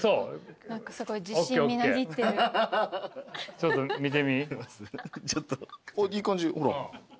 ちょっと見てみ。